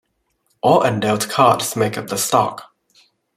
All undealt cards make up the stock.